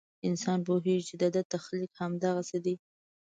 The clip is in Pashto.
انسان پوهېږي چې د ده تخلیق همدغسې دی.